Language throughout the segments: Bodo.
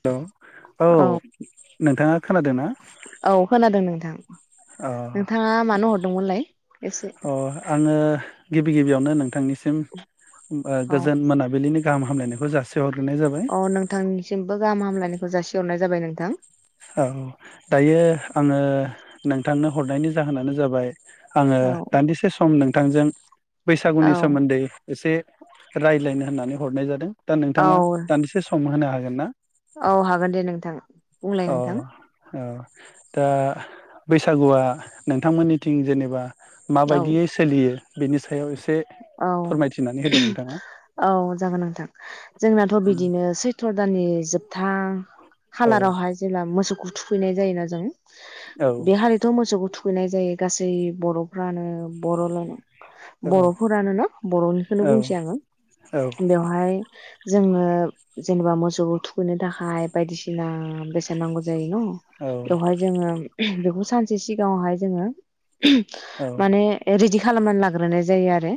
हेलौ औ नोंथाङा खोनादोंना? औ [inaudible] अ नोंथाङा मानो हरदोंमोनलाय एसे अ आङो गिबि गिबियावनो नोंथांनि सि म गोजोन मोनाबिलिनि गाहाम हामलायनायखौ जासि अ नोंथांनिसिमबो गाहाम हामलायनायखौ जासि हरनाय जाबाय नोंथां। औ दायो आङो नोंथांनो हरनायनि जाहोनानो जाबाय आङो औ दान्दिसे सम नों नोजों। औ बैसागुनि सोमोन्दै एसे रायज्लायनो होननानै हरनाय जादों। दा औ नोंथाङा दान्दिसे सम होनो हागोन ना? औ हागोन दे नोंथां बुंलाय औ नोंथां औ। दा बैसागुआ नोंथांमोननिथिं जेनेबा मा औ बायदियै सोलियो? बेनि सायाव एसे औ फोरमायथिनानै होदो नोंथाङा औ जागोन नोंथां जोंनाथ बिदिनो सैथ्र दाननि जोबथा औ खालाराहाय जेला मोसौखौ थुखैनाय जायोना जों औ बे खालिथ मोसौ थु होफैनाय जायो गासै बर फ्रानो बर लायनाय औ। मोना बरनिखौनो औ बुंसै आङो औ बेवहाय। जोङो जेनेबा मोसौखौ थुखैनो थाखाय बायदिसिना बेसेन नांगौ जा जायो न बेवहाय जोङो बेखौ सानसे सिगाङावहाय जोङो औ मानि रिडि खालामनानै लाग्रोनाय जायो आरो।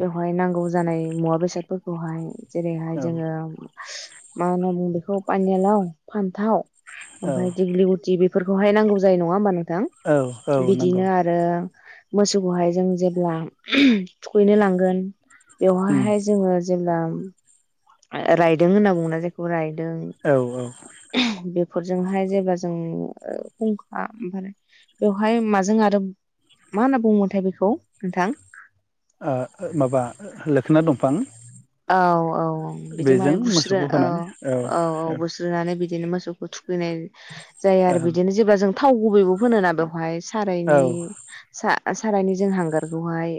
बेहाय नांगौ जानाय मुवा बेसादफोरखौहाय जेरैहाय जोङो मा होनना बुङो बेखौ पानिलाव, फानथाव औ ओमफाय दिग्लिगुथि फोरखौहाय नांगौ जायो नङा होनब्ला नोथां औ औ नंगौ बिदिनो आरो मोसौखौहाय जों जेब्ला थुखैनो लांगोन उम बेवहायहाय जोङो जेब्ला रायदों होनना बुङोना जायखौ राय दों औ औ बे फोरजोंहाय जेब्ला जों फुंखा मा बेवहाय माजों आरो मा होनना बुङोमोनथाय बेखौ नोंथां? फां औ-औ बिदि माने बुस्रो मोसौखौ होनानै औ औ-औ -औ बुस्रोनानै बिदि बिदिनो मोसौखौ थु थुखैनाय जाया औ आरो बिदिनो जेब्ला जों थाव गुबै होनोना बेवहाय औ सारायनि सा सारायनो जों हांगारखौहाय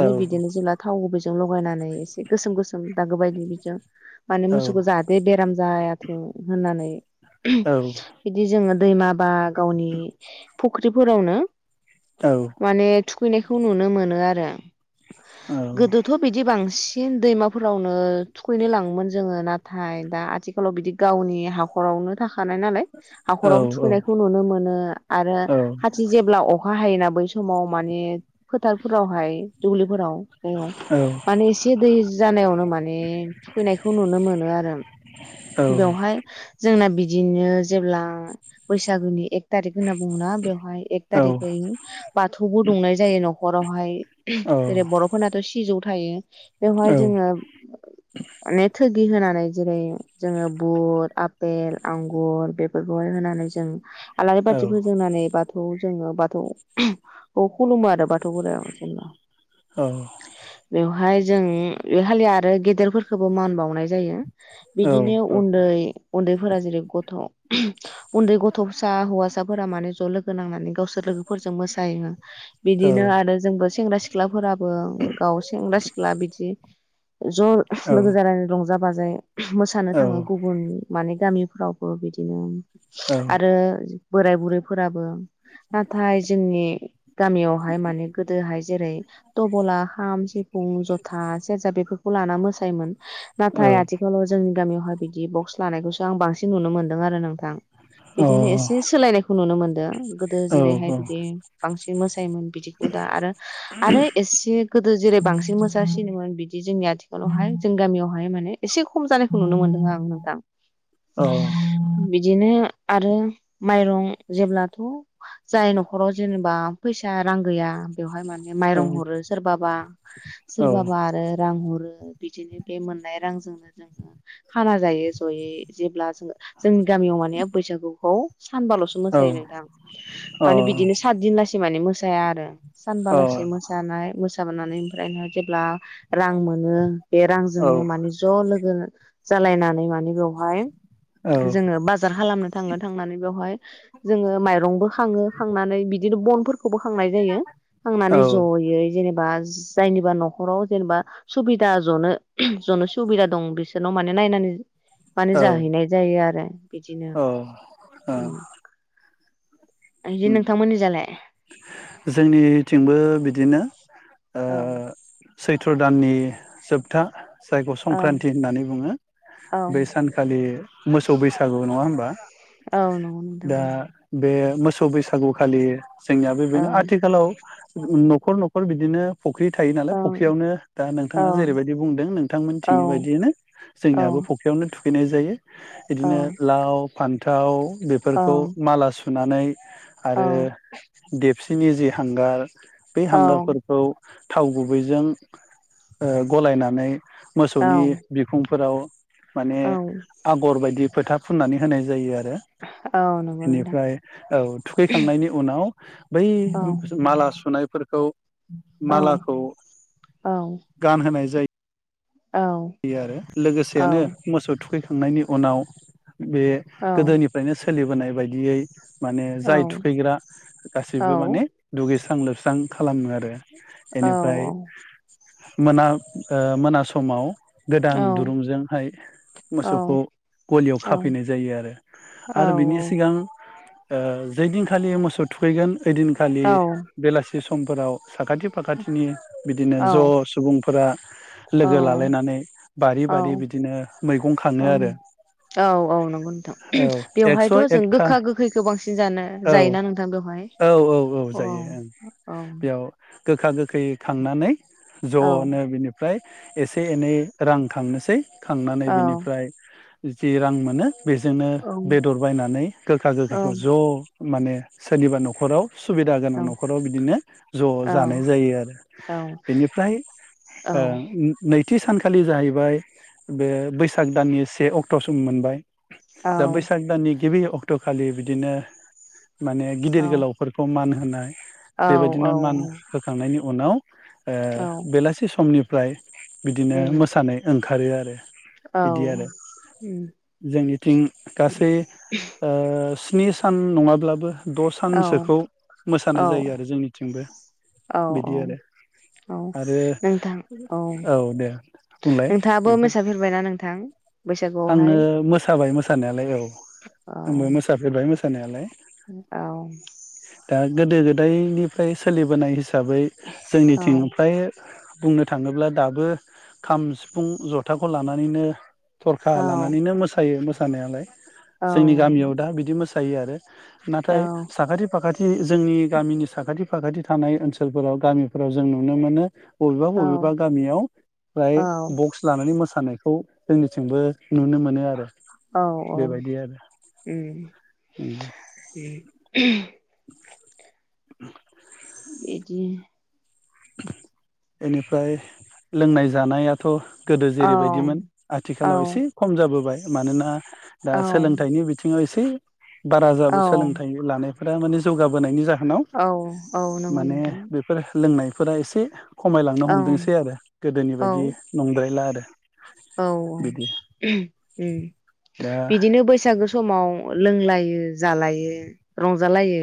औ बिदिनो जेला थाव होफै जों लगायनानै एसे गोसोम-गोसोम दागो बायदि बिजों माने औ मोसौखौ जाहाथे बेराम जायाथों होननानै औ बिदि जोङो दैमा बा गावनि फुख्रिफोरावनो औ माने थु थुखैनायखौ नुनो मोनो आरो गोदोथ' बिदि बांसि न दैमाफोरावनो थुखैनो लाङोमोन जोङो नाथाय दा आथिखालाव बिदि गावनि हाखरावनो थाखाय थानाय नालाय औ हाखरावबो थुखैनायखौ नुनो मोनो आरो खाथि जेब्ला अखा बाहायोना बै समाव माने फोथारफोरावहाय दुब्लिफोराव दैयाव माने एसे दै जानायावनो माने थुखैनायखौ नुनो मोनो आरो औ बेवहाय जोंना बिदिनो जेब्ला बैसागोनि एख थारिख होनना बुङोना बेवहाय एक थारिख जायो बाथौबो दुंनाय जायो न'खरावहाय जेरै बर'फोरनाथ' सिजौ थायो बेवहाय जोंङो माने थो गि होनानै जेरै जोंङो बुट आफेल आंगुर बेफोरखौहाय होनानै जों आलारि बाथिफोजोंनानै बाथौ खौ जोंङो बाथौ खौ खुलुमो आरो बाथौ बोराइ जेनेबा औ। हाय जों ए हालिया आरो गेदेरफोरखौबो मान बावनाय जायो बिदिनो उन्दै उन्दैफोरा जेरै गथ' उन्दै गथ' फिसा हौवासाफोरा माने ज' लोगो नांनानै गावसोर लोगोफोरजों मोसायो। बिदिनो आरो जोंबो सेंग्रा सि ख्लाफोरा बो गाव सेंग्रा सि जि ज लोगो जानानै रंजा बा जायो मोसानो थाङो गुबुन माने गामिफ्रावबो बिदिनो आरो बोराय बुरैफोराबो नाथाय जोंनि गामियावहाय माने गोदोहाय जेरै दबला खाम सि खौ लाना मोसायोमोन। औ नाथाय आथिखालाव जोंनि गामियावहाय बिदि बक्स लानायखौसो आं बांसिन नुनो मोन्दों आरो नोंथां। औ बिदिनो अ एसे सोलायनायखौ नुनो मोनदों गोदो जेरैहाय बिदि जोंनिथिंबो बांसिन मोसायोमोन बिदिखौ दा आरो आरो एसे गोदो जेरै बांसि मोजांसिनोमोन बिदि जोंनि आथिखालावहाय जों गामियावहाय माने एसे खम जानायखौ नुनो मोनदों आं नोंथां बिदिनो आरो माइरं जेब्लाथ' जाय न'खराव जेनेबा फैसा रां गैया बेवहाय माने माइरं हरो सोरबाबा सोरबाबा आरो रां हरो बिदिनो बे मोननाय रांजोंनो जोंङो खाना जायो जयै जेब्ला जोंङो जोंनि गामियाव माने बैसागुखौ सानबाल'सो मोसायो नोंथां माने बिदिनो सात दिनलासे माने मोसा जाया आरो सानबालासि मोसानाय मु [unintelligible] फ्रायनो जेब्ला रां मोनो बे रांजोंनो माने ज लोगो जालायनानै माने बेवहाय जोङो बाजार खालामनो थाङो थांनानै बेवहाय जोङो माइरंबो खााङो खांनानै बिद यिदिनो बनफोर खौबो खांनाय जायो खांनानै जयै जेनेबा जायनिबा न नखराव जेनेबा सुबिदा जनो जनो सुबिदा दं बिसोरनाव माने नायनानै माने जाहैनाय जायो आरो बिदिनो बिदि नोंथांमोननिजालाय जोंनिथिंबो बिदिनो औ सुत्र दाननि जोबथा जायखौ औ संक्रान्ति होननानै बुङो औ बे सानखालि मोसौ बैसागु नङा होनबा औ नंगौ नोंथां दा बे मोसौ बैसागु फालियो जोंनियाबो बेनो आथिखालाव नखर नखर बिदिनो फुख्रि थायो नालाय ओं फुख्रियावनो दा नोंथाङा ओं जेरैबायदि बुंदों नोंथांमोनथिंनि ओं बायदियैनो औ जोंनियाबो फुख्रियावनो थु फैनाय जायो औ बिदिनो लाव फान्थाव बेफोरखौ माला सु सुनानै औ आरो दिप बिसिनि जि हांगार बे हांगारफोरखौ थाव गुबैजों ओ गलायनानै औ मोसौनि बिखुंफोराव माने औ आगर बायदि फोथा फुननानै होनाय जायो आरो। औ नंगौ नोंथां बेनिफ्राय औ थुखैखांनायनि उनाव बै औ माला सुनाय फोरखौ औ मालाखौ गानहोनाय जायो औ बेयो आरो औ लोगोसेयैनो मोसौ थुखैखां नायनि उनाव बे औ गोदोनिफ्रायनो सो सोलिबोनाय बायदियै माने औ जाय थुखैग्रा औ गासिबो माने दुगै स्रां लोबस्रां खालामो आरो। बेनिफ्राय मोना ओ मोना समाव औ गोदान दुरुंजोंहाय मोसौखौ गलियाव खाफैनाय जायो आरो, आरो बिनि सिगां ओ जै दिनखालि मोसौ थुखैगोन ओइदिनखालि बेलासि समफोराव साखाथि फाखाथिनि बिदिनो ज' सुबुंफोरा लोगो लालायनानै। बारि औ बारि बिदिनो मैगं खाङो औ आरो औ औ नंगौ नोंथां औ बेवहायथ' एकस' जों एकथा गोखा गोखैखौ बांसिन जानो औ जायोना नोंथां बेवहाय औ औ औ जायो ओं औ। बेयाव गोखा गोखै खांनानै औ ज'नो बिनिफ्राय एसे एनै रां खांनोसै खांनानै बिनिफ्राय जि रां मोनो बेजोंनो औ बेदर बायनानै गोखा गोखैखौ औ ज ' माने सोरनिबा न'खराव सुबिदा औ गोनां न'खराव बिदिनो ज' औ जानाय जायो आरो बेनिफ्राय ओ नैथि सान खालि जाहैबाय बे बैसाग दाननि से अक्ट' सम मोनबाय। दा औ बैसाग दाननि गिबि अक्ट'खालि बिदिनो माने गिदिर गोलावफोरखौ मानो होन होनाय औ औ बेबायदिनो मान होखांनायनि उ उनाव ओ औ बेलासि समनि [unintelligible] बिदिनो उम मोसानाय ओं ओंखारो आरो औ बिदि आरो उम जोंनिथिं उम गासै ओ स्नि सान नङाब्लाबो द' सानसोखौ मोसानाय औ औ जायो आरो जोंनिथिंबो औ बिदि आरो औ आरो औ दे। बुंलाय नोंथाङाबो नोंथां मोसाफेरबाय ना ना नोंथां आङो बैसागुआवहाय मोसाबाय मोसानायालाय औ औ आंबो मोसाफेरबाय मो जानायालाय औ गोदो गोदायनिफ्राय सोलिबोनाय हिसाबै हिसाबै औ जोंनिथिं फाय बुंनो थाङोब्ला दाबो खाम सिफुं जथाखौ लानानैनो थरखा लानानैनो मोसायो मोसायो थानायालाय औ जोंनि गामियाव दा बिदि मोसानाय थायो आरो औ नाथाय साखाथि फाखाथि जोंनि गामिनि साखाथि फाखाथि थानाय ओनसोलफोराव गामिफोराव जों नुनो मोनो बबेबा औ बबेबा गामियाव फ्राय औ बक्स लानानै मोसानाय खौ जों जोंबो नुनो मोनो आरो औ बेबायदि आरो उम उम उ [unintelligible] बेदि बेनिफ्राय लोंनाय जानायाथ गोदो औ औ जेरैबायदिमोन औ आथिखालाव एसे खम जाबोबाय मानोना दा सोलोंथाइनि बिथिङाव से बारा जाबो औ सोलोंथाइ लानाय फोर माने जौगाबोनायनि जा जाहोनाव औ औ नंगौ माने नोंथां बेफोर लोंनाय फोर एसे खमायलांनो औ हमदोंसै आरो गोदोनि औ बायदि नंद्रायला आरो [unintelligible] औ औ बिदि [unintelligible] उम दा बिदिनो बैसागो समाव लोंलायो जालायो रंजालायो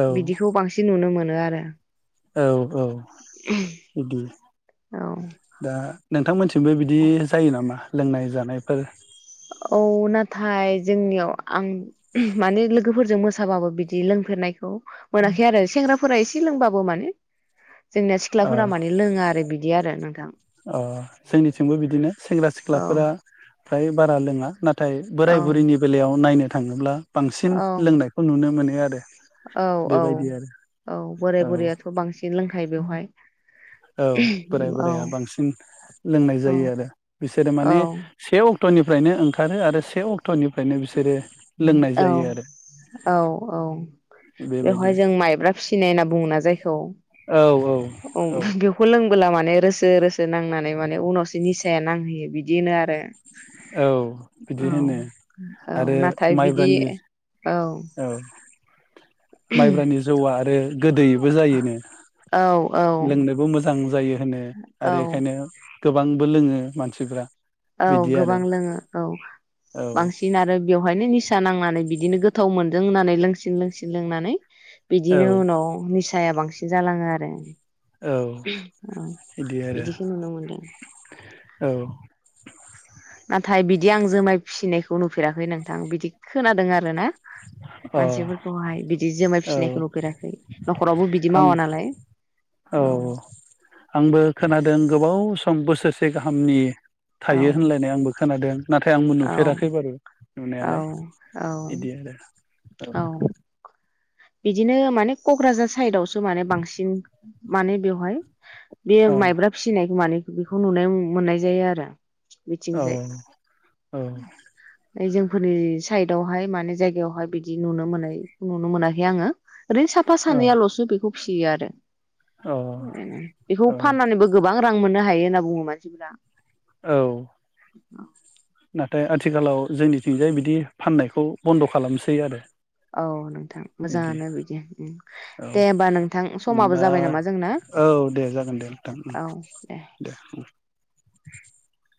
औ बिदिखौ बांसिन नुनो मोनो। आरो औ औ बिदि औ दा। नोंथां मोनसे ओमफ्राय बिदि जायो नामा? लोंनाय जानायफोर औ नाथाय जोंनियाव आं माने लोगोफोरजों मोसाबाबो बिदि लोंफेरनायखौ मोनाखै आरो सेंग्रा फोर एसे लोंबाबो माने जोंनिया अ सिख्लाफोरा माने लोङो आरो बिदि। बिदि आरो नोंथां अ जोंनिथिंबो बिदिनो सेंग्रा औ सिख्लाफोरा फ्राय बारा लोङा ना नाथाय औ बोराय बुरैनि बेलायाव नायनो थाङोब्ला बांसिन औ लोंनायखौ नुनो मोनो। [unintelligible] औ औ बेबायदि आरो औ बोराय औ बुरैयाथ' बांसिन लोंखायो बेवहाय। औ बोराय औ बोराइाया बांसिन लोंनाय औ जायो आरो बिसोरो माने औ सेयाव। अक्ट'निफ्रायनो ओंखारो आरो से अक्ट'निफ्रायनो बिसोरो लोंनाय औ जायो आरो औ औ बेबायदि बेवहाय जों माइब्रा फिसिनाय होनना बुङो ना जायखौ। औ औ औ बुंोंबोला माने रोसो रोसो नांनानै माने उनावसो निसाया नांहैयो बिदि होनो आरो। औ बिदि औ होनो औ आरो नाथाय बिदि माइब्रानि औ औ माइब्रानि जौ ब गोदैबो जायोनो औ औ लोंनोबो मोजां जायो होनो औ आरो बेखायनो गोबांबो लोङो मानसिफ्रा औ बिदि आरो गोबां लोङो औ औ बांसिन आरो बेवहायनो निसा नांनानै बिदिनो गोथाव मोनदों होननानै लोंसिन लोंसिन लोंनानै औ बिदिनो उनाव फिसाया बांसिन जालाङो आरो औ औ बिदि आरो बिदिखौो नुनो मोनदों औ नाथाय बिदि आं जुमाय फिसिनायखौ नुफेराखै नोंथां बिदि खोनादों आरोना अ मानसिफोरखौहाय बिदि जुमाय औ फिसिनायखौ नुफेराखै न'खरावबो बिदि आं मावा नालाय औ आंबो खोनादों गोबाव औ सम बोसोरसे गाहामनि औ थायो होनलायनाय आंबो खोनादों नाथाय आंबो औ नुफेराखै बारु नुनायालाय औ बिदि आरो औ बिदिनो माने क'क्राझार साइदावसो माने बांसिन माने बेवहाय बे औ माइब्रा फिसिनायखौ माने बेखौ नुनाय मोननाय जायो आरो औ बिथिंजाय औ जोंफोरनि साइदावहाय माने जायगायावहाय बिदि नुनो मोननाय नुनो मोनाखै आङो ओरैनो साफा औ सानैयाल'सो बेखौ फिसियो आरो बेखौ औ फाननानैबो गोबां रां मोनो हा हायो ओनना बुङो मानसि फोरा औ नाथाय आथिखालाव जोंनिथिंजाय बिदि फाननायखौ बन्द' खालामसै आरो औ नोंथां मोजाङानो बिदि उम औ दे होमबा नोंथां समाबो होनबा जाबाय नामा जोंना। औ दे जागोन दे नोंथां औ दे [inaudible]